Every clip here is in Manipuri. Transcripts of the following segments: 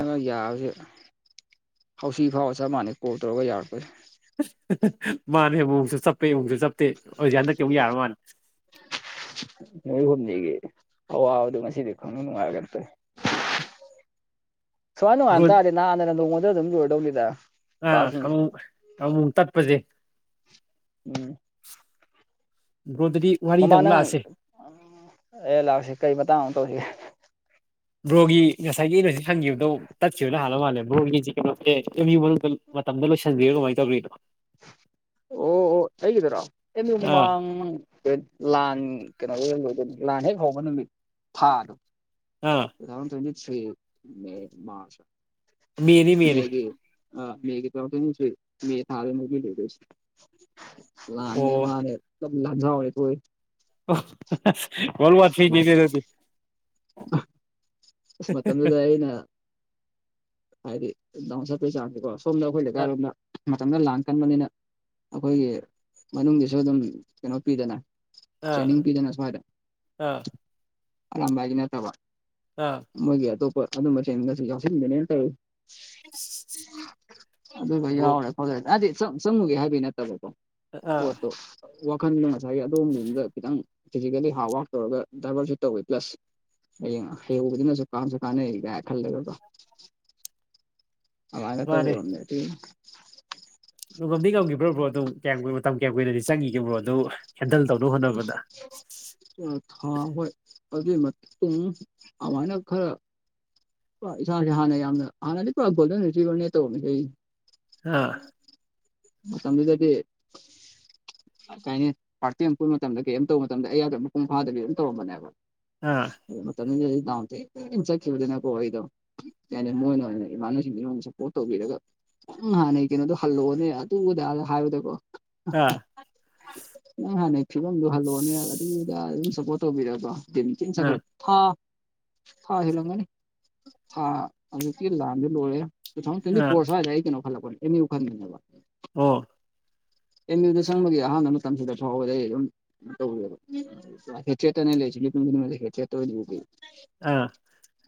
ꯑꯗ ꯌꯥꯁꯦ ꯍꯧꯁꯤ ꯐꯥꯎꯕ ꯆꯞ ꯃꯥꯟꯅꯩ ꯀꯣꯜ ꯇꯧꯔꯒ ꯌꯥꯔꯛꯇꯦ [unintelligible] ꯃꯥꯅꯦ ꯑꯃꯛꯁꯨ ꯆꯞꯄꯩ ꯑꯃꯨꯛꯁꯨ ꯆꯞꯇꯦ ꯍꯣꯏ ꯍꯟꯗꯛꯇꯤ ꯑꯃꯨꯛ ꯌꯥꯔ ꯃꯥꯟ ꯅꯨꯃꯤ ꯍꯨꯝꯅꯤꯒꯤ ꯑꯋꯥꯕꯗꯣ ꯉꯁꯤꯗꯤ ꯈꯪꯅꯨꯡ ꯅꯨꯡꯉꯥꯏꯔꯛꯇ꯭ꯔꯦ ꯁꯨꯃꯥꯏ ꯕ꯭ꯔꯣ ꯅꯨꯡꯉꯥꯏꯝ ꯇꯥꯔꯗꯤ ꯅꯍꯥꯟꯅ ꯅꯣꯡꯃꯥꯗ ꯗꯨꯝ ꯂꯣꯏꯔꯗꯧꯅꯤꯗ ꯑꯥ ꯇꯥꯛꯁꯤꯡꯁꯦ ꯑꯃꯨ ꯑꯃꯨꯃꯨ ꯇꯠꯄꯖꯦ ꯎꯝ ꯕ꯭ꯔꯣ ꯗꯨꯗꯤ ꯃꯃꯥ ꯅꯪ ꯑꯦ ꯂꯥꯛꯁꯤ ꯀꯔꯤ ꯃꯇꯥꯡ ꯑꯝ ꯇꯧꯁꯤꯒꯦ ꯕ꯭ꯔꯣꯒꯤ ꯉꯁꯥꯏꯒꯤ [unintelligible] ꯍꯪꯒꯤꯕꯗꯣ ꯇꯠꯈꯤꯕꯅ ꯍꯥꯜꯂ ꯃꯥꯜꯂꯦ ꯕ꯭ꯔꯣꯒꯤ [unintelligible] ꯑꯦꯝ ꯌꯨ [unintelligible] ꯃꯇꯝꯗ ꯂꯣꯏꯁꯟꯒꯤꯔ ꯀꯃꯥꯏ ꯇꯧꯒ꯭ꯔꯤꯅꯣ ꯑꯣ ꯑꯣ ꯑꯩꯒꯤꯗꯨꯔꯣ ꯑꯦꯝ ꯌꯨ ꯑꯥ ꯃꯃꯥꯡ ꯂꯥꯟ ꯀꯩꯅꯣ ꯑꯣꯏ ꯂꯣꯏꯗꯣꯏꯅꯤ ꯂꯥꯟ ꯍꯦꯛ ꯍꯧꯕ ꯅꯨꯃꯤꯠ ꯊꯥꯗꯣ ꯑꯥ two thousand twenty three May ꯃꯥꯔꯁꯔ ꯃꯦꯅꯤ ꯃꯦꯅꯤ ꯃꯦꯒꯤ ꯑꯥ ꯃꯦꯒꯤ two thousand twenty three May ꯊꯥꯗ [unintelligible] ꯂꯥꯟꯅꯦ ꯑꯣ ꯃꯥꯅꯦ [unintelligible] [unintelligible] ꯃꯇꯝꯗꯨꯗ ꯑꯩꯅ ꯍꯥꯏꯗꯤ ꯗꯥꯎꯟ ꯆꯠꯄꯩ ꯆꯥꯡꯁꯦ ꯁꯣꯝꯗ ꯑꯩꯈꯣꯏ ꯂꯩ ꯑꯥ ꯀꯥꯏꯔꯣꯝꯗ ꯃꯇꯝꯗ ꯂꯥꯟ ꯀꯟꯕꯅꯤꯅ ꯑꯩꯈꯣꯏꯒꯤ ꯃꯅꯨꯡꯒꯤꯁꯨ ꯑꯗꯨꯝ ꯀꯩꯅꯣ ꯄꯤꯗꯅ ꯑꯥ ꯆ꯭ꯔꯦꯅꯤꯡ ꯄꯤꯗꯅ ꯁ꯭ꯋꯥꯏꯗ ꯑꯥ ꯑꯔꯥꯝꯕꯥꯏꯒꯤ ꯅꯠꯇꯕ ꯑꯥ ꯃꯣꯏꯒꯤ ꯑꯇꯣꯞꯄ ꯑꯗꯨꯝꯕ ꯇ꯭ꯔꯦꯅꯤꯡ ꯌꯥꯎꯁꯤꯟꯒꯦ ꯇꯧꯔ ꯑꯗꯨꯒ ꯕ꯭ꯔꯣ ꯌꯥꯎꯔꯦ ꯈꯣꯠꯂꯦ [unintelligible] ꯆꯪꯕꯒꯤ ꯍꯥꯏꯕ ꯅꯠꯇꯕꯀꯣ ꯑꯥ ꯄꯣꯠꯇꯣ ꯋꯥꯈꯟꯗꯣ ꯉꯁꯥꯏꯒꯤ ꯑꯗꯣꯝꯝꯗ ꯈꯤꯇꯪ ꯐꯤꯖꯤꯀꯦꯜꯂꯤ ꯍꯥꯔꯗ ꯋꯥꯔꯛ ꯇꯧꯔꯒ ꯗꯥꯏꯚꯔꯠꯁꯨ ꯇꯧꯋꯤ ꯄ꯭ꯂꯁ ꯍꯌꯦꯡ ꯍꯌꯦꯡꯕꯨꯗꯤ ꯀꯥꯟꯁꯨ ꯀꯥꯟꯅꯦ ꯌꯥ ꯈꯜꯂꯒꯀꯣ ꯑꯗꯨꯃꯥꯏꯅ ꯃꯥꯅꯦ ꯇꯧꯔꯝꯕ ꯅꯠꯇꯦ ꯉꯝꯗꯤ ꯉꯝꯈꯤꯕ꯭ꯔꯥꯕ ꯑꯗꯨꯝ ꯀꯌꯥꯝ ꯀꯨꯏꯅ ꯃꯇꯝ ꯀꯌꯥꯝ ꯀꯨꯏꯅꯗꯤ ꯆꯪꯈꯤꯒꯦꯕ ꯑꯗꯨꯝ ꯍꯦꯟꯗꯜ ꯇꯧꯅꯕ ꯍꯣꯠꯅꯕꯗ ꯊꯥ ꯍꯣꯏ ꯑꯗꯨꯒꯤ ꯃꯇꯨꯡ ꯑꯗꯨꯃꯥꯏꯅ ꯈꯔ ꯄꯨꯔꯥ ꯏꯁꯥꯁꯦ ꯍꯥꯟꯅ ꯌꯥꯝꯅ ꯍꯥꯟꯅꯗꯤ ꯄꯨꯔ ꯒꯣꯜꯗꯟ [unintelligible] ꯇꯧꯔꯝꯃꯤ ꯑꯩ ꯍ ꯃꯇꯝꯗꯨꯗꯗꯤ ꯀꯩ ꯍꯥꯏꯅꯤ ꯄꯥꯔꯇꯤ ꯑꯃ ꯄꯨꯕ ꯃꯇꯝꯗ ꯀꯩꯝ ꯇꯧꯕ ꯃꯇꯝꯗ ꯑꯩ ꯌꯥꯎꯗꯕ ꯃꯄꯨꯡ ꯐꯥꯗꯕꯤ ꯑꯗꯨꯝ ꯇꯧꯔꯝꯕꯅꯦꯕ ꯑꯥ ꯃꯇꯝꯗꯨꯗ ꯑꯩ ꯗꯥꯎꯟ ꯊꯤꯅ ꯆꯠꯈꯤꯕꯅꯤꯀꯣ ꯑꯩꯗꯣ ꯀꯩ ꯍꯥꯏꯅꯤ ꯃꯣꯏꯅ ꯑꯣꯏꯅ ꯏꯃꯥꯟꯅꯕꯁꯤꯡꯗꯨꯅ ꯃꯣꯏꯅ ꯁꯞꯄꯣꯔꯠ ꯇꯧꯕꯤꯔꯒ ꯎꯪ ꯍꯥꯟꯅꯩ ꯀꯩꯅꯣꯗꯣ ꯍꯜꯂꯛꯑꯣꯅꯦ ꯑꯗꯨꯗ ꯍꯥꯏꯕꯗꯀꯣ ꯑꯥ ꯅꯪ ꯍꯥꯟꯅꯩ ꯐꯤꯕꯝꯗꯣ ꯍꯜꯂꯛꯑꯣꯅꯦ ꯑꯗꯨꯗ ꯑꯗꯥ ꯑꯗꯨꯝ ꯁꯞꯄꯣꯔꯠ ꯇꯧꯕꯤꯔꯕꯣ ꯆꯨꯝꯅ ꯑꯗꯨꯝ ꯆꯠꯈ꯭ꯔꯦ ꯑꯥ ꯊꯥ ꯊꯥꯍꯦꯜꯂꯝꯒꯅꯤ ꯊꯥ ꯍꯧꯖꯤꯛꯇꯤ ꯂꯥꯟꯁꯨ ꯂꯣꯏꯔꯦ ꯇꯨ ꯊꯥꯎꯖꯟ ꯇꯣꯏꯟꯇꯤ ꯑꯥ ꯐꯣꯔ ꯑꯁꯨꯋꯥꯏꯗ ꯑꯩ ꯀꯩꯅꯣ ꯈꯜꯂꯛꯄꯅꯦ ꯑꯦꯝꯃꯨ ꯈꯟꯕꯅꯦ ꯑꯣ ꯑꯦꯝ ꯌꯨꯗ ꯆꯪꯕꯒꯤ ꯑꯍꯥꯟꯕ ꯃꯇꯝꯗꯨꯗ ꯐꯥꯎꯕꯗ ꯑꯩ ꯑꯗꯨꯝ ꯇꯧꯑꯦꯕ [unintelligible] ꯑꯥ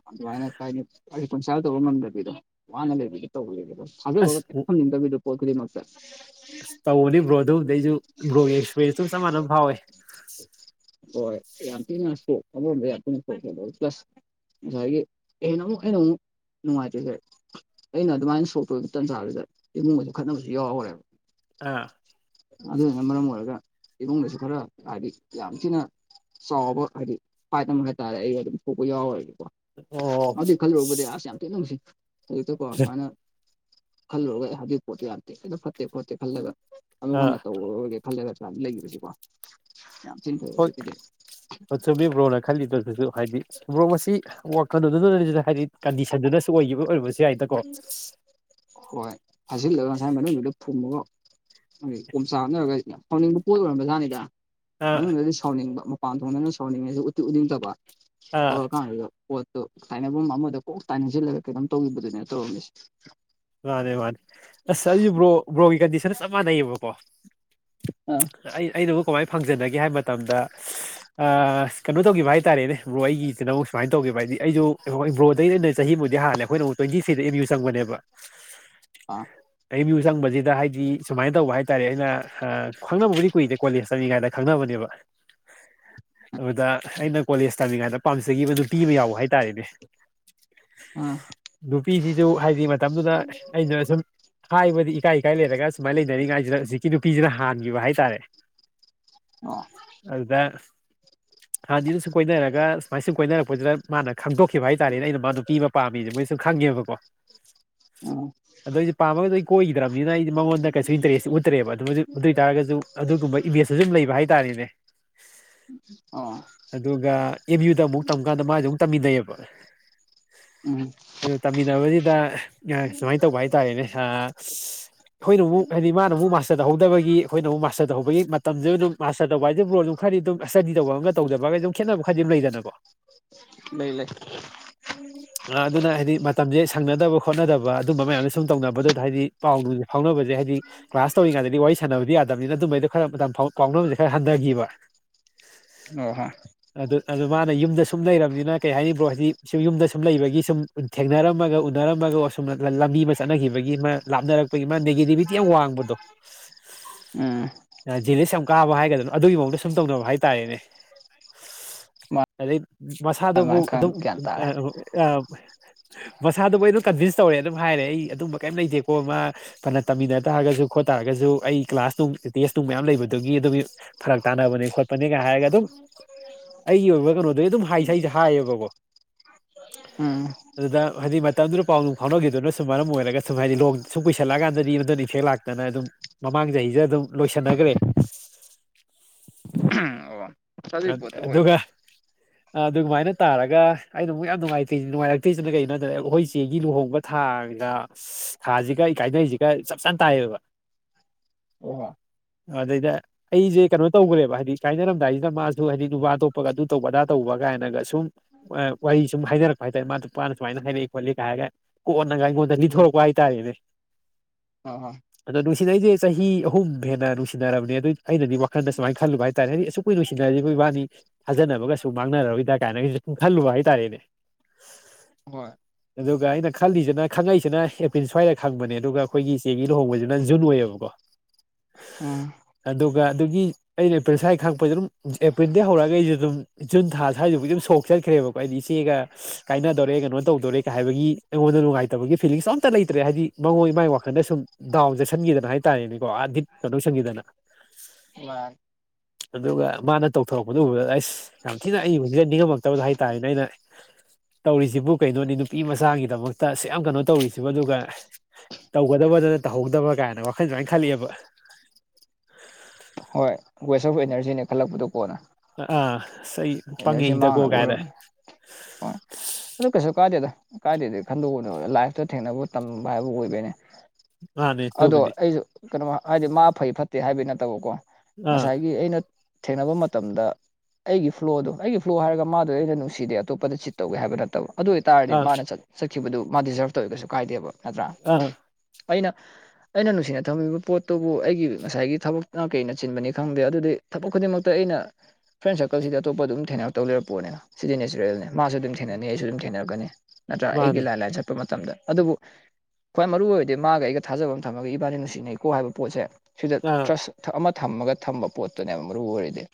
ꯑꯗꯨꯃꯥꯏꯅ [unintelligible] ꯇꯧꯕ ꯉꯝꯗꯕꯤꯗꯣ ꯋꯥꯅ ꯂꯩꯕꯤꯗꯣ ꯇꯧꯕ ꯑꯗꯣ ꯊꯥꯖꯕꯥ ꯑꯁ ꯊꯝꯅꯤꯡꯗꯕꯗꯣ ꯄꯣꯠ ꯈꯨꯗꯤꯡꯃꯛꯇ ꯑꯁ ꯇꯧꯕꯅꯤ ꯕ꯭ꯔꯣ ꯑꯗꯨꯕꯨꯗꯤ ꯑꯩꯁꯨ ꯕ꯭ꯔꯣꯒꯤ ꯑꯦꯛꯁꯄꯤꯔꯦꯟꯁꯇꯒ ꯆꯞ ꯃꯥꯟꯅꯥꯅ ꯐꯥꯎꯋꯦ ꯍꯣꯏ ꯌꯥꯝ [unintelligible] ꯉꯁꯥꯏꯒꯤ ꯍꯦꯟꯅ ꯑꯃꯨꯛ ꯑꯩꯅ ꯑꯃꯨꯛ ꯅꯨꯡꯉꯥꯏꯇ꯭ꯔꯤꯁꯦ ꯑꯩꯅ ꯑꯗꯨꯃꯥꯏꯅ ꯁꯣꯛ ꯇꯧꯔꯤꯕ ꯇꯟꯖꯥꯗꯨꯗ ꯏꯃꯨꯡꯗ ꯈꯠꯅꯕꯁꯨ ꯌꯥꯎꯈ꯭ꯔꯦꯕ ꯑꯥ ꯑꯗꯨꯅ ꯃꯔꯝ ꯑꯣꯏꯔꯒ ꯏꯃꯨꯡꯗꯁꯨ ꯈꯔ ꯍꯥꯏꯗꯤ ꯌꯥꯝ ꯊꯤꯅ ꯆꯥꯎꯕ ꯍꯥꯏꯗꯤ ꯐꯥꯏꯠ ꯑꯃꯒꯥ ꯇꯥꯔꯦ ꯑꯩ ꯑꯗꯨꯝ ꯄꯣꯛꯄ ꯌꯥꯎꯔꯅꯤꯀꯣ ꯑꯣ ꯑꯗꯨꯏ ꯈꯜꯂꯕꯨꯗꯤ ꯑꯁ ꯌꯥꯝ ꯊꯤꯅ ꯅꯨꯡꯁꯤ ꯍꯧꯖꯤꯛꯇꯀꯣ ꯁꯨꯃꯥꯏꯅ ꯈꯜꯂꯨꯔꯒ ꯑꯗꯨꯏ ꯄꯣꯠꯇꯣ ꯌꯥꯝ ꯊꯤꯅ ꯐꯠꯇꯦ ꯈꯣꯠꯇꯦ ꯈꯜꯂꯒ ꯑꯃꯨꯛ ꯑꯥ ꯍꯟꯅ ꯇꯧꯔꯔꯣꯏꯒꯦ ꯈꯜꯂꯦꯒ ꯑꯁꯨꯃꯥꯏ ꯂꯩꯈꯤꯕꯁꯤꯀꯣ ꯌꯥꯝ ꯊꯤꯅ ꯐꯩ ꯍꯧꯖꯤꯛꯀꯤꯗꯤ ꯍꯣꯠ ꯆꯨꯝꯃꯤ ꯕ꯭ꯔꯣꯅ ꯈꯜꯂꯤꯗꯨꯁꯨ ꯍꯥꯏꯗꯤ ꯕ꯭ꯔꯣ ꯃꯁꯤ [unintelligible] ꯍꯥꯏꯗꯤ ꯀꯟꯗꯤꯁꯟꯗꯨꯅꯁꯨ ꯑꯣꯏꯈꯤꯕ ꯑꯣꯏ ꯍꯣꯏ ꯐꯥꯖꯤꯜꯂꯒ ꯉꯁꯥꯏ ꯃꯅꯨꯡꯗꯨꯗ ꯐꯨꯝꯃꯒ ꯑꯗꯨ ꯀꯣꯝꯆꯥ ꯍꯥꯞꯅꯔꯒꯗꯤ ꯍꯧꯥꯎꯅꯤꯡꯕ ꯄꯣꯠ ꯑꯣꯏꯔꯝꯕꯖꯥꯠꯅꯤꯗ꯫ ꯑꯥ ꯃꯅꯨꯡꯗꯗꯤ ꯁꯥꯎꯅꯤꯡꯕ ꯃꯄꯥꯟ ꯊꯣꯡꯗꯅ ꯁꯥꯎꯅꯤꯡꯉꯦꯁꯨ ꯎꯇꯤ ꯎꯅꯤꯡꯗꯕ꯫ ꯑꯥ ꯇꯧꯔꯀꯥꯟꯗꯨꯗ ꯄꯣꯠꯇꯨ ꯇꯥꯏꯅꯐꯝ ꯑꯃꯗ ꯀꯣꯛ ꯇꯥꯅꯤꯡꯁꯤꯜꯂꯒ ꯀꯩꯅꯣꯝ ꯇꯧꯈꯤꯕꯗꯨ꯫ [unintelligible] ꯃꯥꯅꯦ ꯃꯥꯅꯦ ꯑꯁ ꯑꯩꯗꯤ ꯕ꯭ꯔꯣ ꯕ꯭ꯔꯣꯒꯤ ꯀꯟꯗꯤꯁꯟꯒ ꯆꯞ ꯃꯥꯟꯅꯩꯌꯦꯕꯀꯣ꯫ ꯑꯥ꯫ ꯑꯩ ꯑꯩꯅꯕꯨ ꯀꯃꯥꯏꯅ ꯐꯪꯖꯅꯒꯦ ꯍꯥꯏꯕ ꯃꯇꯝꯗ꯫ ꯑ ꯀꯩꯅꯣ ꯇꯧꯈꯤꯕ ꯍꯥꯏꯇꯥꯔꯦꯅꯦ ꯕ꯭ꯔꯣ ꯑꯩꯒꯤ ꯏꯆꯤꯟꯅꯃꯛꯨ ꯁꯨꯃꯥꯏꯅ ꯇꯧꯈꯤꯕ ꯍꯥꯏꯗꯤ ꯑꯩꯁꯨ ꯏ ꯕ꯭ꯔꯣꯗꯗꯒꯤ ꯑꯩꯅ ꯆꯍꯤꯃꯨꯗꯤ ꯍꯥꯜꯂꯦ꯫ ꯑꯩꯈꯣꯏ ꯑꯃꯨꯛ꯭ꯋꯇꯤ꯭ꯔꯤ ꯑꯦꯝ ꯌꯨꯗ ꯆꯪꯕꯅꯦꯕ꯫ ꯑꯥ꯫ ꯑꯦꯝ ꯌꯨ ꯆꯪꯕꯁꯤꯗ ꯍꯥꯏꯗꯤ ꯁꯨꯃꯥꯏꯅ ꯇꯧꯕ ꯍꯥꯏꯇꯥꯥꯔꯦ ꯑꯩꯅ ꯈꯪꯅꯕꯕꯨꯗꯤ ꯀꯨꯏꯗꯦ ꯀꯣꯂꯦꯖ ꯇꯝꯃꯤ ꯀꯥꯏꯗ ꯈꯪꯅꯕꯅꯦꯕ꯫ [inaudible] ꯑꯗꯨꯗ ꯑꯩꯅ ꯀꯣꯂꯦꯖ ꯇꯥꯝꯃꯤꯉꯩꯗ ꯄꯥꯝꯖꯈꯤꯕ ꯅꯨꯄꯤ ꯑꯃ ꯌꯥꯎꯕ ꯍꯥꯏꯇꯥꯔꯦꯅꯦ꯫ ꯑꯥ ꯅꯨꯄꯤꯁꯤꯁꯨ ꯍꯥꯏꯗꯤ ꯃꯇꯝꯗꯨꯗ ꯑꯩꯅ ꯁꯨꯝ ꯍꯥꯏꯕꯗꯤ꯫ ꯏꯀꯥꯏ ꯏꯀꯥꯏ ꯂꯩꯔꯒ ꯁꯨꯃꯥꯏꯅ ꯂꯩꯅꯅꯤꯡꯉꯥꯏꯁꯤꯗ ꯍꯧꯖꯤꯛꯀꯤ ꯅꯨꯄꯤꯁꯤꯅ ꯍꯥꯟꯈꯤꯕ ꯍꯥꯏꯇꯥꯔꯦ꯫ ꯑꯣ꯫ ꯑꯗꯨꯗ ꯍꯥꯟꯗꯤꯅ ꯁꯨꯝ ꯀꯣꯏꯅꯔꯒ ꯁꯨꯃꯥꯏ ꯁꯨꯝ ꯀꯣꯏꯅꯔꯛꯄꯗꯨꯗ꯫ ꯃꯥꯅ ꯈꯪꯗꯣꯛꯈꯤꯕ ꯍꯥꯏꯇꯥꯔꯦꯅꯦ ꯑꯩꯅ ꯃꯥ ꯅꯨꯄꯤ ꯑꯃꯥ ꯄꯥꯝꯃꯤꯁꯦ ꯃꯣꯏ ꯁꯨꯝ ꯈꯪꯉꯦꯕꯀꯣ꯫ ꯎꯝ꯫ ꯑꯗ ꯑꯩꯁꯨ ꯄꯥꯝꯃꯒꯗ ꯑꯩ ꯀꯣꯏꯈꯤꯗ꯭ꯔꯕꯅꯤꯅ ꯑꯩꯗꯤ ꯃꯉꯣꯟꯗ ꯀꯩꯁꯨ ꯏꯟꯇꯔꯦꯁꯇ ꯎꯠꯇ꯭ꯔꯦꯕ ꯑꯗꯨ ꯑꯗꯨ ꯑꯣꯏꯇꯥꯥꯔꯒꯁꯨ꯫ ꯑꯗꯨꯒꯨꯝꯕ ꯏꯃꯦꯖꯇ ꯑꯗꯨꯨꯝ ꯂꯩꯕ ꯍꯥꯏꯇꯥꯔꯦꯅꯦ꯫ ꯑꯣ꯫ ꯑꯗꯨꯒ ꯑꯦꯝ ꯌꯨꯗ ꯑꯃꯨꯛ ꯇꯝꯀꯥꯟꯗ ꯃꯥꯥꯏꯁꯨ ꯑꯃꯨꯛ ꯇꯝꯃꯤꯟꯅꯩꯌꯦꯕ꯫ ꯎꯝ꯫ ꯑꯗꯨ ꯇꯝꯃꯤꯟꯅꯕꯁꯤꯗ ꯁꯨꯃꯥꯏꯅ ꯇꯧꯕ ꯍꯥꯏꯇꯥꯔꯦꯅꯦ ꯑꯥ꯫ ꯑꯩꯈꯣꯏꯅ ꯑꯃꯨꯛ ꯍꯥꯏꯗꯤ ꯃꯥꯅ ꯑꯃꯨꯛ ꯃꯥꯁꯇꯔ ꯇꯧꯍꯧꯗꯕꯒꯤ ꯑꯩꯈꯣꯏꯅ ꯑꯃꯨꯛ ꯃꯥꯁꯇꯔ ꯇꯍꯧꯕꯒꯤ ꯃꯇꯝꯁꯦ ꯑꯗꯨꯝ꯫ ꯃꯥꯁꯇꯔ ꯇꯧꯕ ꯍꯥꯏꯁ ꯄ꯭ꯔꯣ ꯑꯗꯨꯝ ꯈꯗꯤ ꯑꯗꯨꯝ ꯏꯁꯇꯗꯤ ꯇꯧꯕ ꯑꯃꯒ ꯇꯧꯗꯕꯒ ꯑꯗꯨꯝ ꯈꯦꯠꯅꯕ ꯈꯔꯗꯤ ꯑꯗꯨ ꯂꯩꯗꯀꯣ ꯂꯩ ꯂꯩ꯫ ꯑ ꯑꯗꯨꯅ ꯍꯥꯏꯗꯤ ꯃꯇꯝꯁꯦ ꯁꯪꯅꯗꯕ꯫ ꯍꯣꯠꯅꯗꯕ ꯑꯗꯨꯝꯕ ꯃꯌꯥꯝꯁꯦ ꯁꯨꯝ ꯇꯧꯅꯕꯗꯨꯗ ꯍꯥꯏꯗꯤ ꯄꯥꯎ ꯅꯨꯡꯁꯦ ꯐꯥꯎꯅꯕꯁꯦ ꯍꯥꯏꯗꯤ꯫ ꯀ꯭ꯂꯥꯁ ꯇꯧꯔꯤꯉꯩꯗꯗꯤ ꯋꯥꯔꯤ ꯁꯥꯟꯅꯕꯗꯤ ꯌꯥꯗꯕꯅꯤꯅ ꯑꯗꯨꯃꯥꯏꯗꯣ ꯈꯔ ꯃꯇꯝ ꯄꯥꯎꯅꯕꯁꯦ ꯈꯔ ꯍꯟꯊꯈꯤꯕ꯫ ꯑꯣ ꯍꯣ꯫ ꯑꯗꯨ ꯑꯗꯨ ꯃꯥꯅ ꯌꯨꯝꯗ ꯁꯨꯝ ꯂꯩꯔꯕꯅꯤꯅ ꯀꯩ ꯍꯥꯏꯕ꯭ꯔꯣ ꯍꯥꯏꯗꯤ ꯁꯨꯝ ꯌꯨꯝꯗ ꯁꯨꯝ ꯂꯩꯕꯒꯤ ꯁꯨꯝ ꯊꯦꯡꯅꯔꯝꯃꯒ ꯎꯅꯔꯝ ꯑꯃꯒ ꯑꯁꯨꯝꯅ ꯂꯝꯕꯤ ꯑꯃ ꯆꯠꯅꯈꯤꯕꯒꯤ ꯃꯥ ꯂꯥꯞꯅꯔꯛꯄꯒꯤ ꯃꯥ ꯅꯦꯒꯦꯇꯤꯕꯤꯇꯤ ꯌꯥꯝ ꯋꯥꯡꯕꯗꯣ꯫ ꯎꯝ꯫ ꯖꯤꯂꯤꯁ ꯌꯥꯝ ꯀꯥꯕ ꯍꯥꯏꯒꯗꯔ ꯑꯗꯨꯒꯤ ꯃꯑꯣꯡꯗ ꯁꯨꯝ ꯇꯧꯅꯕ ꯍꯥꯏꯇꯥꯔꯦꯅꯦ꯫ ꯃꯥ꯫ ꯑꯗꯩ ꯃꯁꯥꯗꯨꯕꯨ ꯑꯗꯨꯝ ꯇꯥꯔꯦ ꯑ ꯃꯁꯥꯗꯨꯕꯨ ꯑꯗꯨꯝ ꯀꯟꯚꯤꯟꯁ ꯇꯧꯔꯦ ꯑꯗꯨꯝ ꯍꯥꯏꯔꯦ ꯑꯩ ꯑꯗꯨꯝꯕ ꯀꯩꯝ ꯂꯩꯇꯦꯀꯣ ꯃꯥ꯫ ꯐꯅ ꯇꯝꯃꯤꯟꯅ ꯇꯥꯔꯒꯁꯨ ꯈꯣꯠ ꯇꯥꯔꯒꯁꯨ ꯑꯩ ꯀ꯭ꯂꯥꯁ ꯅꯨꯡ ꯇꯦꯁ ꯅꯨꯡ ꯃꯌꯥꯝ ꯂꯩꯕꯗꯨꯒꯤ ꯑꯗꯨꯝ ꯐꯔꯛ ꯇꯥꯅꯕꯅꯤ ꯈꯣꯠꯄꯅꯤꯒ ꯍꯥꯏꯔꯒ ꯑꯗꯨꯝ ꯑꯩꯒꯤ ꯑꯣꯏꯕ ꯀꯩꯅꯣꯗ ꯑꯗꯨꯝ ꯍꯥꯏ ꯁꯗꯤ ꯍꯥꯏꯌꯦꯕꯀꯣ꯫ ꯎꯝ ꯑꯗꯨꯗ ꯍꯥꯏꯗꯤ ꯃꯇꯝꯗꯨꯗ꯫ ꯄꯥꯎꯅꯨꯡ ꯐꯥꯎꯅꯈꯤꯗꯨꯅꯁꯨ ꯃꯔꯝ ꯑꯣꯏꯔꯒ ꯁꯨꯝ ꯍꯥꯏꯗꯤ ꯂꯣꯡ ꯁꯨꯝ ꯀꯏꯁꯜꯂꯛꯑꯀꯥꯟꯗꯗꯤ ꯑꯗꯨꯗꯨꯅ ꯏꯐꯦꯛ ꯂꯥꯛꯇꯅ ꯑꯗꯨꯝ꯫ ꯃꯃꯥꯡ ꯆꯍꯤ ꯆꯍꯤꯁꯦ ꯑꯗꯨꯝ ꯂꯣꯏꯁꯟꯅꯈ꯭ꯔꯦ꯫ ꯎꯝ [inaudible] ꯑꯣ ꯑ ꯑꯗꯨꯏ ꯄꯣꯠꯇꯣ [unintelligible] ꯍꯣꯏ ꯑꯗꯨꯒ [inaudible] ꯑꯗꯨꯃꯥꯏꯅ ꯇꯥꯔꯒ ꯑꯩꯅ ꯑꯃꯨꯛ ꯌꯥꯝ ꯅꯨꯡꯉꯥꯏꯇꯦ ꯅꯨꯡꯉꯥꯏꯔꯛꯇꯦꯁꯤꯅ ꯀꯩꯅꯣꯗ ꯑꯩꯈꯣꯏ ꯆꯦꯒꯤ ꯂꯨꯍꯣꯡꯕ ꯊꯥꯡꯗ [unintelligible] ꯊꯥꯁꯤꯒ ꯑꯩꯀꯥꯏꯅꯩꯁꯤꯒ ꯆꯞ ꯆꯥꯅ ꯇꯥꯏꯌꯦꯕ [inaudible] ꯑꯗꯩꯗ ꯑꯩꯁꯦ ꯀꯩꯅꯣ ꯇꯧꯈ꯭ꯔꯦꯕ ꯍꯥꯏꯗꯤ ꯀꯥꯏꯅꯔꯝꯗꯥꯏ ꯃꯥꯁꯨ ꯍꯥꯏꯗꯤ ꯅꯨꯄꯥ ꯇꯣꯞꯄꯒ ꯑꯗꯨ ꯇꯧꯕ ꯑꯗꯥ ꯇꯧꯕ ꯒꯥꯏꯅꯒ ꯁꯨꯝ ꯋꯥꯔꯤ ꯁꯨꯝ ꯍꯥꯏꯅꯔꯛꯄ ꯍꯥꯏꯇꯥꯔꯦ ꯃꯥ ꯅꯨꯄꯥꯅ ꯁꯨꯃꯥꯏꯅ ꯍꯥꯏꯔꯛꯏ ꯈꯣꯠꯂꯤ ꯀ ꯍꯥꯏꯔꯒ ꯀꯣꯟꯅꯒ ꯑꯩꯉꯣꯟꯗ ꯂꯤꯊꯣꯔꯛꯄ ꯍꯥꯏꯇꯥꯔꯦꯅꯦ ꯑ ꯑ ꯑꯗꯣ ꯅꯨꯡꯁꯤꯅꯩꯁꯦ ꯆꯍꯤ ꯑꯍꯨꯝ ꯍꯦꯟꯅ ꯅꯨꯡꯁꯤꯅꯔꯕꯅꯦ ꯑꯗꯨ ꯑꯩꯅꯗꯤ ꯋꯥꯈꯜꯗ ꯁꯨꯃꯥꯏꯅ ꯈꯜꯂꯨꯕ ꯍꯥꯏꯇꯥꯔꯦ ꯍꯥꯏꯗꯤ ꯑꯩꯈꯣꯏ ꯂꯣꯏꯁꯤꯟꯅꯔꯁꯤ [unintelligible] ꯑꯩꯈꯣꯏꯕꯥꯅꯤ ꯊꯥꯖꯅꯕꯒꯁꯨ ꯃꯥꯡꯅꯔꯣꯏꯗ ꯀ ꯒꯥꯏꯅ ꯁꯨꯝ ꯈꯜꯂꯨꯕ ꯍꯥꯏꯇꯥꯔꯦꯅꯦ ꯍꯣꯏ ꯑꯗꯨꯒ ꯑꯩꯅ ꯈꯜꯂꯤꯁꯤꯅ ꯈꯪꯉꯛꯏꯁꯤꯅ ꯑꯦꯄ꯭ꯔꯤꯜ ꯁ꯭ꯋꯥꯏꯗ ꯈꯪꯕꯅꯦ ꯑꯗꯨꯒ ꯑꯩꯈꯣꯏꯒꯤ ꯆꯦꯒꯤ ꯂꯨꯍꯣꯡꯕꯁꯤꯅ ꯖꯨꯟ ꯑꯣꯏꯌꯦꯕꯀꯣ [inaudible] ꯑꯗꯨꯒ ꯑꯗꯨꯒꯤ ꯑꯩꯅ ꯄꯁꯥꯏ [unintelligible] ꯈꯪ ꯑꯄ [unintelligible] ꯑꯗꯨꯝ ꯑꯦꯄ꯭ꯔꯤꯜꯗꯩ ꯍꯧꯔꯛꯑꯒ ꯑꯩꯖꯨ ꯑꯗꯨꯝ ꯖꯨꯟ ꯊꯥ ꯁ꯭ꯋꯥꯏꯁꯤꯕꯨ ꯑꯗꯨꯝ ꯁꯣꯛ ꯆꯠꯈ꯭ꯔꯦꯕꯀꯣ ꯍꯥꯏꯗꯤ ꯏꯆꯦꯒ ꯀꯥꯏꯅꯗꯣꯔꯦ ꯀꯩꯅꯣ ꯇꯧꯗꯣꯔꯦꯒ ꯍꯥꯏꯕꯒꯤ ꯑꯩꯉꯣꯟꯗ ꯅꯨꯡꯉꯥꯏꯇꯕꯒꯤ ꯐꯤꯂꯤꯡꯁ ꯑꯝꯇ ꯂꯩꯇ꯭ꯔꯦ ꯍꯥꯏꯗꯤ ꯃꯉꯣꯏ ꯃꯥꯏ ꯋꯥꯈꯜꯗ ꯁꯨꯝ ꯗꯥꯎꯟ ꯆꯠ ꯁꯟꯈꯤꯗꯅ ꯍꯥꯏꯇꯥꯔꯦꯅꯦꯀꯣ ꯑꯥ ꯗꯤꯠ [unintelligible] ꯀꯗꯧ [unintelligible] ꯁꯟꯈꯤꯗꯅ ꯋꯥꯏ [unintelligible] ꯑꯗꯨꯒ ꯃꯥꯅ ꯇꯧꯊꯣꯔꯛꯄꯗꯨ ꯎꯕꯗ ꯑ꯭ꯁ ꯌꯥꯝ ꯊꯤꯅ ꯑꯩ ꯍꯧꯖꯤꯛꯇ ꯅꯤꯡꯉꯝꯃꯛꯇꯕꯗ ꯍꯥꯏꯇꯥꯔꯦꯅꯦ ꯑꯩꯅ ꯇꯧꯔꯤꯁꯤꯕꯨ ꯀꯩꯅꯣꯅꯤ ꯅꯨꯄꯤ ꯃꯆꯥꯝꯒꯤꯗꯃꯛꯇ ꯑꯁꯨꯛꯌꯥꯝ ꯀꯩꯅꯣ ꯇꯧꯔꯤꯁꯤꯕꯨ ꯑꯗꯨꯒ ꯇꯧꯒꯗꯕꯗꯅ ꯇꯧꯍꯧꯗꯕ ꯀꯥꯏꯅ ꯋꯥꯈꯟꯁꯨꯨꯃꯥꯏꯅ ꯈꯂꯛꯑꯦꯕ ꯍꯣꯏ ꯋꯦꯁ ꯑꯣꯐ ꯑꯦꯅꯔꯖꯤꯅꯦ ꯈꯜꯂꯛꯄꯗꯣ ꯀꯣꯟꯅ ꯑꯥ ꯑ꯭ꯁ ꯑꯩ ꯑꯦꯅꯔꯖꯤ ꯄꯪꯉꯤꯗꯒꯣ ꯃꯥꯡꯅꯕ ꯀꯥꯏꯅ ꯑꯣꯏꯔꯝꯅꯤ ꯍꯣꯏ ꯑꯗꯨ ꯀꯩꯁꯨ ꯀꯥꯏꯗꯦꯗ ꯀꯥꯏꯗꯦꯗꯤ ꯈꯟꯗꯣꯛꯎꯅꯣ ꯂꯥꯏꯐꯇ ꯊꯦꯡꯅꯕ ꯇꯝꯕ ꯍꯥꯏꯕ ꯑꯣꯏꯕꯩꯅꯦ ꯃꯥꯅꯦ ꯑꯗꯣ ꯑꯗꯨꯕꯨꯗꯤ ꯑꯩꯁꯨ ꯀꯩꯅꯣ ꯍꯥꯏꯗꯤ ꯃꯥ ꯐꯩ ꯐꯠꯇꯦ ꯍꯥꯏꯕꯩ ꯅꯠꯇꯕꯀꯣ ꯑꯥ ꯉꯁꯥꯏꯒꯤ ꯑꯩꯅ ꯊꯦꯡꯅꯕ ꯃꯇꯝꯗ ꯑꯩꯒꯤ ꯐ꯭ꯂꯣꯗꯣ ꯑꯩꯒꯤ ꯐ꯭ꯂꯣ ꯍꯥꯏꯔꯒ ꯃꯥꯗꯣ ꯑꯩꯅ ꯅꯨꯡꯁꯤꯗꯦ ꯑꯇꯣꯞꯄꯗ ꯆꯤꯠ ꯇꯧꯒꯦ ꯍꯥꯏꯕ ꯅꯠ ꯇꯕ ꯑꯗꯨ ꯑꯣꯏꯇꯥꯔꯗꯤ ꯑꯥ ꯃꯥꯅ ꯆꯠ ꯆꯠꯈꯤꯕꯗꯨ ꯃꯥ ꯗꯤꯖ꯭ꯔꯞ ꯇꯧꯋꯦ ꯀꯩꯁꯨ ꯀꯥꯏꯗꯦꯕ ꯅꯠꯇ꯭ꯔꯥ ꯑꯥ ꯑꯩꯅ ꯑꯩꯅ ꯅꯨꯡꯁꯤꯅ ꯊꯝꯃꯤꯕ ꯄꯣꯠꯇꯨꯕꯨ ꯑꯩꯒꯤ ꯉꯁꯥꯏꯒꯤ ꯊꯕꯛꯅ ꯀꯩꯅ ꯆꯤꯟꯕꯅꯤ ꯈꯪꯗꯦ ꯑꯗꯨꯗꯤ ꯊꯕꯛ ꯈꯨꯗꯤꯡꯃꯛꯇ ꯑꯩꯅ ꯐ꯭ꯔꯦꯟ ꯁꯔꯀꯜꯁꯤꯗ ꯑꯇꯣꯞꯄ ꯑꯗꯨꯝ ꯊꯦꯡꯅꯔꯛꯇꯧ ꯂꯩꯔꯄꯣꯅꯦ ꯁꯤꯗꯤ ꯅꯦꯆꯔꯦꯜꯅꯦ ꯃꯥꯁꯨ ꯑꯗꯨꯝ ꯊꯦꯡꯅꯅꯤ ꯑꯩꯁꯨ ꯑꯗꯨꯝ ꯊꯦꯡꯅꯔꯛꯀꯅꯤ ꯅꯠꯇ꯭ꯔꯥ ꯃꯥꯅꯤ ꯑꯩꯒꯤ ꯂꯥꯏ ꯂꯥꯏ ꯆꯠꯄ ꯃꯇꯝꯗ ꯑꯗꯨꯕꯨ ꯈ꯭ꯋꯥꯏ ꯃꯔꯨ ꯑꯣꯏꯕꯗꯤ ꯃꯥꯒ ꯑꯩꯒ ꯊꯥꯖꯕ ꯑꯃ ꯊꯝꯃꯒ ꯏꯕꯥꯅꯤ ꯅꯨꯡꯁꯤꯅꯩꯀꯣ ꯍꯥꯏꯕ ꯄꯣꯠꯁꯦ ꯁꯤꯗ ꯑꯥ ꯇ꯭ꯔꯁ ꯊꯛ ꯑꯃ ꯊꯝꯃꯒ ꯊꯝꯕ ꯄꯣꯠꯇꯨꯅꯦꯕ ꯃꯔꯨ ꯑꯣꯏꯔꯤꯗꯤ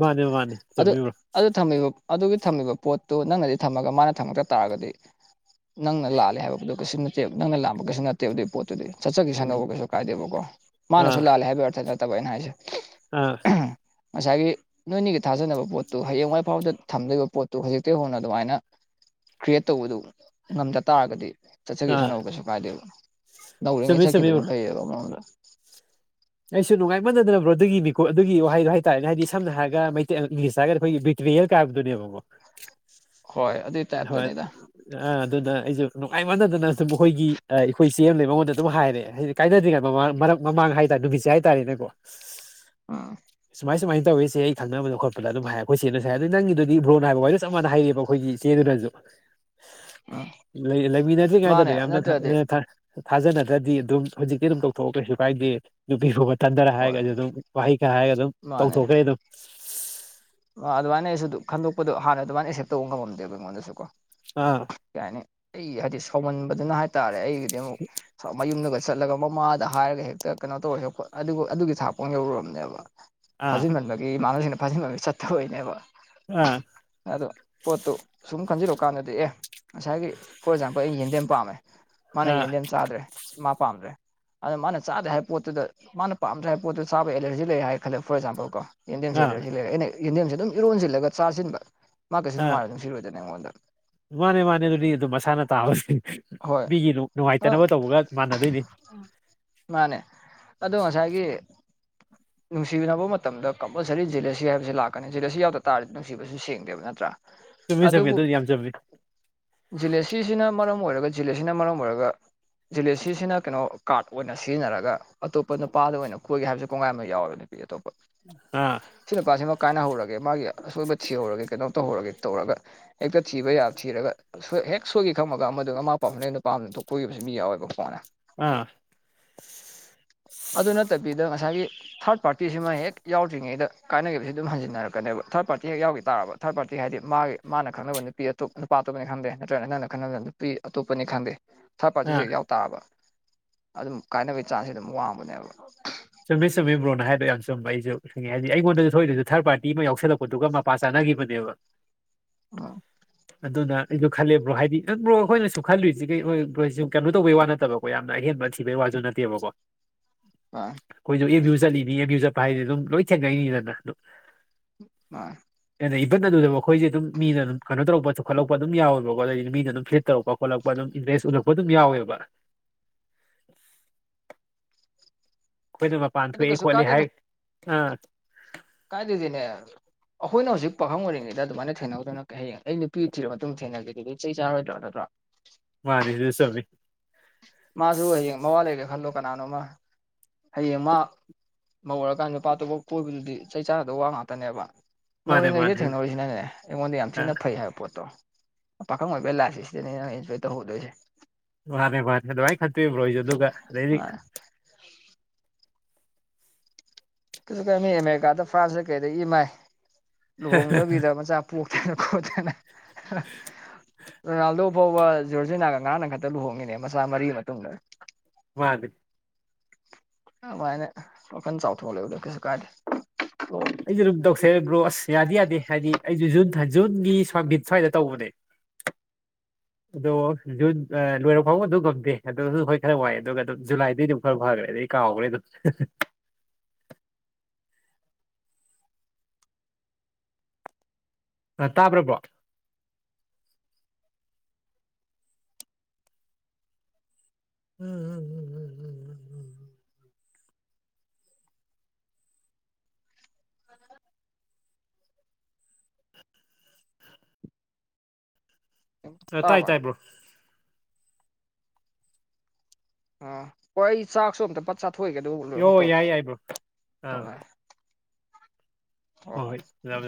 ꯃꯥꯅꯤ ꯃꯥꯅꯤ ꯑꯗꯨ ꯆꯨꯝꯃꯤ ꯕ꯭ꯔꯣ ꯑꯗꯨ ꯊꯝꯃꯤꯕ ꯑꯗꯨꯒꯤ ꯊꯝꯃꯤꯕ ꯄꯣꯠꯇꯨ ꯅꯪꯅꯗꯤ ꯊꯝꯃꯒ ꯃꯥꯅ ꯊꯝꯃꯛꯇ ꯇꯥꯔꯒꯗꯤ ꯅꯪꯅ ꯂꯥꯜꯂꯦ ꯍꯥꯏꯕꯗꯨ [unintelligible] ꯀꯩꯁꯨꯅꯠꯇꯦꯕ ꯅꯪꯅ ꯂꯥꯟꯕ ꯀꯩꯁꯨ ꯅꯠꯇꯦꯕ ꯑꯗꯨꯏ ꯄꯣꯠ ꯑꯗꯨꯗꯤ ꯆꯨꯝꯃꯤ ꯆꯠꯆꯈꯤꯁꯅꯨꯕ ꯀꯩꯁꯨ ꯀꯥꯏꯗꯦꯕꯀꯣ ꯃꯥꯅꯁꯨ ꯑꯥ ꯂꯥꯜꯂꯦ ꯍꯥꯏꯕꯒꯤ ꯑꯔꯊ ꯅꯠꯇꯕ ꯑꯩꯅ ꯍꯥꯏꯁꯦ ꯑꯥ ꯉꯁꯥꯏꯒꯤ ꯅꯣꯏꯅꯤꯒꯤ ꯊꯥꯖꯅꯕ ꯄꯣꯠꯇꯨ ꯍꯌꯦꯡꯋꯥꯏ ꯐꯥꯎꯕꯗ ꯊꯝꯗꯣꯏꯕ ꯄꯣꯠꯇꯨ ꯍꯧꯖꯤꯛꯇꯩ ꯍꯧꯅ ꯑꯗꯨꯃꯥꯏꯅ ꯀ꯭ꯔꯤꯌꯦꯠ ꯇꯧꯕꯗꯨ ꯉꯝꯗ ꯇꯥꯔꯒꯗꯤ ꯑꯥ ꯆꯠꯆꯒꯤꯁꯥꯅꯣ ꯀꯩꯁꯨ ꯀꯥꯏꯗꯦꯕ ꯅꯧꯔꯤꯉꯩ ꯆꯨꯝꯃꯤ ꯆꯨꯝꯃꯤ ꯆꯠꯈꯤꯕꯗꯨꯟ ꯕ꯭ꯔꯣ ꯐꯩꯌꯦꯕ ꯑꯃꯔꯣꯝꯗ ꯑꯩꯁꯨ ꯅꯨꯡꯉꯥꯏꯃꯥꯟꯗꯅ ꯕ꯭ꯔꯣꯗꯒꯤ ꯃꯤꯀꯣ ꯑꯗꯨꯒꯤ ꯋꯥꯍꯩꯗꯣ ꯍꯥꯏꯇꯥꯔꯦꯅꯦ ꯍꯥꯏꯗꯤ ꯁꯝꯅ ꯍꯥꯏꯔꯒ ꯃꯩꯇꯩ ꯑ ꯏꯪꯂꯤꯁ ꯍꯥꯏꯔꯒ ꯑꯩꯈꯣꯏꯒꯤ ꯕꯤꯇ꯭ꯔꯤꯌꯦꯜꯀ ꯍꯥꯏꯕꯗꯨꯅꯦꯕꯀꯣ ꯍꯣꯏ ꯑꯗꯨꯏ ꯍꯣꯏ ꯇꯥꯏꯞꯇꯅꯤꯗ ꯑ ꯑꯗꯨꯅ ꯑꯩꯖꯨ ꯅꯨꯡꯉꯥꯏꯃꯥꯟꯗꯗꯅ ꯑꯁꯨꯝ ꯃꯍꯣꯏꯒꯤ ꯑ ꯑꯩꯈꯣꯏ ꯏꯆꯦ ꯑꯝ ꯂꯩ ꯃꯉꯣꯟꯗ ꯑꯗꯨꯝ ꯍꯥꯏꯔꯦ ꯍꯥꯏ ꯀꯥꯏꯅꯗꯔꯤꯉꯩ ꯃꯃꯥꯡ ꯃꯔꯛ ꯃꯃꯥꯡ ꯍꯥꯏ ꯇ ꯅꯨꯃꯤꯠꯁꯦ ꯍꯥꯏꯇꯥꯔꯦꯅꯦꯀꯣ ꯎꯝ ꯁꯨꯃꯥꯏ ꯁꯨꯃꯥꯏꯟ ꯇꯧꯋꯤ ꯆꯦ ꯑꯩ ꯈꯪꯅꯕꯗꯣ ꯈꯣꯠꯄꯗꯣ ꯑꯗꯨꯝ ꯍꯥꯏ ꯈꯣꯏꯆꯦꯅꯁꯨꯍꯥꯏ ꯑꯗꯨ ꯅꯪꯒꯤꯗꯨꯗꯤ ꯕ꯭ꯔꯣꯅ ꯍꯥꯏꯕ ꯋꯥꯔꯤꯗꯨꯒ ꯆꯞ ꯃꯥꯟꯅ ꯍꯥꯏꯔꯛꯑꯦꯕ ꯑꯩꯈꯣꯏꯒꯤ ꯏꯆꯦꯗꯨꯅꯁꯨ ꯎꯝ ꯂꯩ ꯂꯩꯃꯤꯟꯅꯗ꯭ꯔꯤꯉꯥꯏꯗ ꯃꯥꯅꯦ ꯑꯗꯨꯛꯌꯥꯝꯅ ꯅꯠꯇ꯭ꯔꯗꯤ ꯊꯥꯞꯅ ꯊꯥ ꯊꯥꯖꯅꯗ꯭ꯔꯗꯤ ꯑꯗꯨꯝ ꯍꯧꯖꯤꯛꯇꯤ ꯑꯗꯨꯝ ꯇꯧꯊꯣꯛꯑꯣ ꯀꯩꯁꯨ ꯀꯥꯏꯗꯦ ꯅꯨꯄꯤꯐꯨ ꯃꯊꯟꯗꯔ ꯍꯣꯏ ꯍꯥꯏꯔꯒꯖꯨ ꯑꯗꯨꯝ ꯋꯥꯍꯩ ꯈꯥ ꯍꯥꯏꯔꯒ ꯑꯗꯨꯝ ꯇꯧꯊꯣꯛꯈ꯭ꯔꯦ ꯑꯗꯨꯝ ꯑ ꯑꯗꯨꯃꯥꯏꯅ ꯑꯩꯁꯨ ꯈꯟꯗꯣꯛꯄꯗꯣ ꯍꯥꯟꯅ ꯑꯗꯨꯃꯥꯏꯅ ꯑꯦꯛꯁꯦꯞ ꯇꯧꯕ ꯉꯝꯃꯝꯗꯦꯕ ꯑꯩꯉꯣꯟꯗꯁꯨ ꯀꯣ ꯑꯥ ꯀꯩ ꯍꯥꯏꯅꯤ ꯑꯩ ꯍꯥꯏꯗꯤ ꯁꯥꯎꯃꯟꯕꯗꯨꯅ ꯍꯥꯏꯇꯥꯔꯦ ꯑꯩꯒꯤꯗꯤ ꯑꯃꯨꯛ ꯃꯌꯨꯝꯗꯒ ꯆꯠꯂꯒ ꯃꯃꯥꯗ ꯍꯥꯏꯔꯒ ꯍꯦꯛꯇ ꯀꯩꯅꯣ ꯇꯧꯔ ꯍꯦꯛ ꯑꯗꯨꯒ ꯑꯗꯨꯒꯤ ꯊꯥꯛꯄꯥꯎ ꯌꯧꯔꯨꯔꯕꯅꯦꯕ ꯑꯥ ꯐꯥꯖꯤꯟꯃꯟꯕꯒꯤ ꯏꯃꯥꯟꯅꯕꯁꯤꯡꯅ ꯐꯥꯖꯤꯟꯕꯒꯤ ꯆꯠꯇꯕꯩꯅꯦꯕ ꯑ ꯑꯗꯣ ꯄꯣꯠꯇꯨ ꯁꯨꯝ ꯈꯟꯖꯤꯜꯂꯨ ꯀꯥꯟꯗꯗꯤ ꯑꯦ ꯉꯁꯥꯏꯒꯤ ꯐꯣꯔ ꯑꯦꯛꯖꯥꯝ ꯍꯣꯏ ꯑꯩ ꯌꯦꯟꯗꯦꯝ ꯄꯥꯝꯃꯦ ꯃꯥꯅ ꯑꯥ ꯌꯦꯟꯗꯦꯝ ꯆꯥꯗ꯭ꯔꯦ ꯃꯥ ꯄꯥꯝꯗ꯭ꯔꯦ ꯑꯗ ꯃꯥꯅ ꯆꯥꯗꯦ ꯍꯥꯏ ꯄꯣꯠꯇꯨꯗ ꯃꯥꯅ ꯄꯥꯝꯗ꯭ꯔꯦ ꯍꯥꯏ ꯄꯣꯠꯇꯣ ꯆꯥꯕ ꯑꯦꯂꯔꯖꯤ ꯂꯩ ꯍꯥꯏ ꯈꯜꯂꯦ ꯐꯣꯔ ꯑꯦꯛꯖꯥꯝꯄꯜ ꯀꯣ ꯌꯦꯟꯗꯦꯝ ꯁꯤ ꯑꯥ ꯑꯦꯂꯔꯖꯤ ꯂꯩꯔꯦ ꯑꯩꯅ ꯌꯦꯟꯗꯦꯝꯁꯦ ꯑꯗꯨꯝ ꯏꯔꯣꯟꯁꯤꯜꯂꯒ ꯆꯥꯁꯤꯟꯕ ꯃꯥꯀꯩꯁꯨ ꯑꯥ ꯅꯨꯡꯉꯥꯏꯔꯣꯏꯗꯅ ꯁꯤꯔꯣꯏꯗꯅ ꯑꯩꯉꯣꯟꯗ ꯃꯥꯅꯦ ꯃꯥꯅꯦ ꯑꯗꯨꯗꯤ ꯑꯗꯨꯝ ꯃꯁꯥꯅ ꯇꯥꯕꯁꯤ ꯍꯣꯏ ꯃꯤꯒꯤ ꯅꯨꯡ ꯑꯪ ꯅꯨꯡꯉꯥꯏꯇꯅꯕ ꯇꯧꯕꯒ ꯃꯥꯟꯅꯗꯣꯏꯅꯤ ꯃꯥꯅꯦ ꯑꯗꯣ ꯉꯁꯥꯏꯒꯤ ꯅꯨꯡꯁꯤꯅꯕ ꯃꯇꯝꯗ ꯀꯝꯄꯜꯁꯔꯤ ꯖꯨꯂꯁꯤ ꯍꯥꯏꯕꯁꯤ ꯂꯥꯛꯀꯅꯤ ꯖꯨꯂꯁꯤ ꯌꯥꯎꯗ ꯇꯥꯔꯗꯤ ꯅꯨꯡꯁꯤꯕꯁꯨ ꯁꯦꯡꯗꯦꯕ ꯅꯠꯇ꯭ꯔꯥ ꯆꯨꯝꯃꯤ ꯆꯨꯝꯃꯤ ꯑꯗꯨꯕꯨ ꯑꯗꯨ ꯌꯥꯝ ꯆꯨꯝꯃꯤ ꯖꯤꯂꯁꯤꯁꯤꯅ ꯃꯔꯝ ꯑꯣꯏꯔꯒ ꯖꯤꯂꯁꯤꯅ ꯃꯔꯝ ꯑꯣꯏꯔꯒ ꯖꯦꯂꯁꯤꯁꯤꯅ ꯀꯩꯅꯣ ꯀꯥꯔꯠ ꯑꯣꯏꯅ ꯁꯤꯖꯤꯟꯅꯔꯒ ꯑꯇꯣꯞꯄ ꯅꯨꯄꯥꯗ ꯑꯣꯏꯅ ꯀꯣꯏꯒꯦ ꯍꯥꯏꯕꯁꯦ ꯀꯣꯡꯒꯥꯏ ꯑꯝꯂꯩ ꯌꯥꯎꯋꯦꯕ ꯅꯨꯄꯤ ꯑꯇꯣꯞꯄ ꯑꯥ ꯁꯤꯅꯨꯄꯥꯁꯤꯃ ꯀꯥꯏꯅꯍꯧꯔꯒꯦ ꯃꯥꯒꯤ ꯑꯁꯣꯏꯕ ꯊꯤꯍꯧꯔꯒꯦ ꯀꯩꯅꯣ ꯇꯧꯍꯧꯔꯒꯦ ꯇꯧꯔꯒ ꯍꯦꯛꯇ ꯊꯤꯕ ꯌꯥꯕ ꯊꯤꯔꯒ ꯁꯣꯏ ꯍꯦꯛ ꯁꯣꯏꯈꯤ ꯈꯪꯕꯒ ꯑꯃꯗꯨ ꯃꯥ ꯄꯥꯎꯐꯥꯎꯅꯩ ꯅꯨꯄꯥꯥ ꯑꯝ ꯊꯣꯛ ꯀꯣꯏꯈꯤꯕꯁꯨ ꯃꯤ ꯌꯥꯎꯋꯦꯕ ꯀꯣꯟꯅ ꯑꯥ ꯑꯗꯨ ꯅꯠꯇꯕꯤꯗ ꯉꯁꯥꯏꯒꯤ ꯊꯥꯔꯠ ꯄꯥꯔꯇꯤꯁꯤꯃ ꯍꯦꯛ ꯌꯥꯎꯗ꯭ꯔꯤꯉꯩꯗ ꯀꯥꯏꯅꯈꯤꯕꯖꯦ ꯑꯗꯨꯝ ꯍꯟꯖꯤꯟꯅꯔꯛꯀꯅꯦꯕ ꯊꯔꯠ ꯄꯥꯔꯇꯤ ꯍꯦꯛ ꯌꯥꯎꯒꯤ ꯇꯥꯔꯕ ꯊꯥꯔꯠ ꯄꯥꯔꯇꯤ ꯍꯥꯏꯗꯤ ꯃꯥꯒꯤ ꯃꯥꯅ ꯈꯪꯅꯕ ꯅꯨꯄꯤ ꯑꯇꯣꯞ ꯅꯨꯄꯥ ꯑꯇꯣꯞꯄꯅꯤ ꯈꯪꯗꯦ ꯅꯠꯇ꯭ꯔꯒ ꯅꯪꯅ ꯈꯪꯅꯕ ꯅꯨꯄꯤ ꯑꯇꯣꯞꯄꯅꯤ ꯈꯪꯗꯦ ꯊꯥꯔꯠ ꯄꯥꯔꯇꯤꯁꯦ ꯑꯥ ꯍꯦꯛ ꯌꯥꯎ ꯇꯥꯔꯕ ꯑꯗꯨꯝ ꯀꯥꯏꯅꯕꯒꯤ ꯆꯥꯟꯁꯦ ꯑꯗꯨꯝ ꯋꯥꯡꯕꯅꯦꯕ ꯆꯨꯝꯃꯤ ꯆꯨꯝꯃꯤ ꯕ꯭ꯔꯣꯅ ꯍꯥꯏꯗꯣ ꯌꯥꯝ ꯆꯨꯝꯕ ꯑꯩꯁꯨ ꯈꯪꯉꯦ ꯍꯥꯏꯗꯤ ꯑꯩꯉꯣꯟꯗꯁꯨ ꯊꯣꯛꯏꯗꯨꯁꯨ ꯊꯥꯔꯠ ꯄꯥꯔꯇꯤ ꯑꯃ ꯌꯥꯎꯁꯜꯂꯛꯄꯗꯨꯒ ꯃꯄꯥ ꯆꯥꯅꯈꯤꯕꯅꯦꯕ ꯑꯥ ꯑꯗꯨꯅ ꯑꯩꯗꯣ ꯈꯜꯂꯦ ꯕ꯭ꯔꯣ ꯍꯥꯏꯗꯤ ꯑꯪ ꯕ꯭ꯔꯣ ꯑꯩꯈꯣꯏꯅꯁꯨ ꯈꯜꯂꯨꯏꯖꯤꯒ ꯑꯣꯏꯔꯛꯄ꯭ꯔꯖꯨ ꯀꯩꯅꯣ ꯇꯧꯕꯩ ꯋꯥ ꯅꯠꯇꯕ ꯑꯣ ꯌꯥꯝꯅ ꯑꯍꯦꯟꯕ ꯊꯤꯕꯩ ꯋꯥꯖꯨ ꯅꯠꯇꯦꯕꯀꯣ ꯑ ꯑꯩꯈꯣꯏꯁꯨ ꯑꯦꯝꯌꯨ ꯆꯠꯂꯤꯅꯤ ꯑꯦꯝꯌꯨ ꯆꯠꯄ ꯍꯥꯏꯗꯤ ꯑꯗꯨꯝ ꯂꯣꯏ ꯊꯦꯡꯅꯩꯅꯤꯗꯅ ꯃꯥ ꯑꯗ ꯏꯚꯟ ꯑꯗꯨꯗꯕꯧ ꯑꯩꯈꯣꯏꯁꯦ ꯑꯗꯨꯝ ꯃꯤꯅ ꯑꯗꯨꯝ ꯀꯩꯅꯣ ꯇꯧꯔꯛꯄ ꯆꯞꯈꯠꯂꯛꯄ ꯑꯗꯨꯝ ꯌꯥꯎꯋꯦꯕꯀꯣ ꯑꯩꯗꯤ ꯃꯤꯅ ꯑꯗꯨꯝ ꯐ꯭ꯂꯦꯠ ꯇꯧꯔꯛꯄ ꯈꯣꯂꯛꯄ ꯑꯗꯨꯝ ꯏꯟꯕꯦꯁ ꯎꯂꯛꯄ ꯑꯗꯨꯝ ꯌꯥꯎꯋꯦꯕ ꯈꯣꯏꯗ ꯃꯄꯥꯟ ꯑꯗꯨ ꯊꯣꯛꯏ ꯀꯩꯁꯨ ꯈꯣꯠꯂꯤ ꯍꯥꯏ ꯑꯥ ꯀꯥꯏꯗꯒꯤꯅꯦ ꯑꯩꯈꯣꯏꯅ ꯍꯧꯖꯤꯛ ꯄꯥꯈꯪ ꯑꯣꯏꯔꯤꯉꯩꯗ ꯑꯗꯨꯃꯥꯏꯅ ꯊꯦꯡꯅꯍꯧꯗꯅ ꯍꯌꯦꯡ ꯑꯩ ꯅꯨꯄꯤ ꯊꯤꯔꯕ ꯃꯇꯨꯡ ꯊꯦꯡꯅꯒꯦ ꯑꯗꯨꯗꯤ ꯆꯩ ꯆꯥꯔꯣꯏꯗ꯭ꯔꯣ ꯅꯠꯇ꯭ꯔꯣ ꯃꯥꯅꯤ ꯑꯗꯨ ꯆꯨꯝꯃꯤ ꯃꯥꯖꯨ ꯍꯌꯦꯡ ꯃꯋꯥ ꯂꯩꯒꯦ ꯈꯜꯂꯣ ꯀꯅꯥꯅꯣꯃ ꯍꯌꯦꯡ ꯃꯥ ꯃꯧ ꯑꯣꯏꯔꯀꯥꯟꯗ ꯅꯨꯄꯥ ꯑꯇꯣꯞꯄ ꯀꯣꯏꯕꯗꯨꯗꯤ ꯆꯩ ꯆꯥꯒꯗꯕ ꯋꯥ ꯉꯥꯛꯇꯅꯦꯕ ꯃꯥꯅꯦ ꯅꯧꯔꯤꯉꯩꯖꯤꯗ ꯃꯥꯅꯦ ꯊꯦꯡꯅ ꯍꯧꯔꯤꯁꯤꯅꯅꯦ ꯑꯩꯉꯣꯟꯗ ꯌꯥꯝ ꯑꯥ ꯊꯤꯅ ꯐꯩ ꯍꯥꯏꯕ ꯄꯣꯠꯇꯣ ꯄꯥꯈꯪ ꯑꯣꯏꯕꯧ ꯂꯥꯏꯐꯁꯦ ꯁꯤꯗꯅꯦ ꯅꯪ ꯑꯦꯟꯖꯣꯏ ꯇꯧꯍꯧꯗꯣꯏꯖꯦ ꯃꯥꯅꯦ ꯃꯥꯅꯦ ꯑꯗꯨꯃꯥꯏ ꯈꯟꯇꯣꯛꯑꯦꯕ ꯑꯩꯖꯨ ꯑꯗꯨꯒ ꯑꯗꯩ ꯃꯥꯅꯦ [unintelligible] ꯑꯃꯦꯔꯤꯀꯥꯗ ꯐ꯭ꯔꯥꯟꯁꯇ ꯀꯩꯗ ꯏꯃꯥꯏ ꯂꯨꯍꯣꯡꯗꯕꯤꯗ ꯃꯆꯥ ꯄꯣꯛꯇꯅ ꯈꯣꯠꯇꯅ ꯔꯣꯅꯥꯜꯗꯣ ꯐꯥꯎꯕ ꯖꯣꯔꯖꯤꯅꯥꯒ ꯉꯂꯥꯡ ꯅꯍꯥꯟꯗ ꯈꯛꯇ ꯂꯨꯍꯣꯡꯉꯤꯅꯦ ꯃꯆꯥ ꯃꯔꯤ ꯃꯇꯨꯡꯗ ꯃꯥꯅꯤ ꯑꯗꯨꯃꯥꯏꯅ ꯋꯥꯈꯜ ꯆꯥꯎꯊꯣꯛ ꯂꯩꯕꯗꯣ ꯀꯩꯁꯨ ꯀꯥꯏꯗꯦ ꯑꯩꯖꯨ ꯑꯗꯨꯝ ꯇꯧꯁꯦ ꯕ꯭ꯔꯣ ꯑꯁ ꯌꯥꯗꯤ ꯌꯥꯗꯦ ꯍꯥꯏꯗꯤ ꯑꯩꯖꯨ ꯖꯨꯟ ꯖꯨꯟꯒꯤ ꯁ꯭ꯋꯥꯃꯤꯠ ꯁ꯭ꯋꯥꯏꯗ ꯇꯧꯕꯅꯦ [inaudible] ꯑꯗꯣ ꯖꯨꯟ ꯂꯣꯏꯔ ꯐꯥꯎꯕ ꯑꯗꯨꯝ ꯉꯝꯗꯦ ꯑꯗꯨꯁꯨ ꯍꯣꯏ ꯈꯔ ꯋꯥꯏ ꯑꯗꯨꯒ ꯑꯗꯨꯝ ꯖꯨꯂꯥꯏꯗꯩ ꯑꯗꯨꯝ ꯈꯔ ꯐꯈ꯭ꯔꯦ ꯑꯗꯩ ꯀꯥꯎꯒ꯭ꯔꯦ ꯗꯨꯝ ꯑꯥ ꯇꯥꯕ꯭ꯔꯥ ꯕ꯭ꯔꯣ ꯎꯝ ꯎꯝ ꯎꯝ ꯎꯝ ꯎꯝ ꯎꯝ ꯎꯝ ꯎꯝ ꯑꯥ ꯇꯥꯏ ꯇꯥꯔꯕ ꯇꯥꯏ ꯕ꯭ꯔꯣ ꯑꯥ ꯍꯣꯏ ꯑꯩ ꯆꯥꯛꯁꯨ ꯑꯝꯇ ꯄꯠ ꯆꯥꯊꯣꯛꯏꯒꯦ ꯂꯣꯏꯔ ꯌꯣ ꯃꯨꯛ ꯇꯧꯔꯛꯀꯦ ꯌꯥꯏ ꯌꯥꯏ ꯕ꯭ꯔꯣ ꯑꯥ ꯇꯧꯅꯔꯦ ꯍꯣ ꯍꯣꯏ ꯎꯝ